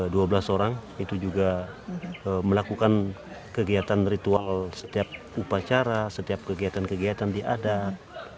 dua belas orang itu juga melakukan kegiatan ritual setiap upacara setiap kegiatan kegiatan di adat